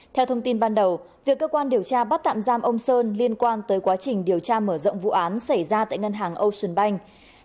theo thông tin ban đầu việc cơ quan điều tra bắt tạm giam ông sơn liên quan tới quá trình điều tra mở rộng vụ án xảy ra tại ngân hàng ocean bank